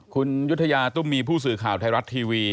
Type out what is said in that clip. คุณยุธยาตุ้มมีผู้สื่อข่าวไทยรัฐทีวี